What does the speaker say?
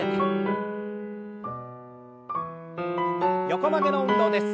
横曲げの運動です。